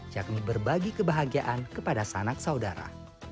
yakni berbagi kebahagiaan kepada sanak saudara